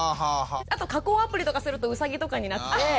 あと加工アプリとかするとウサギとかになって。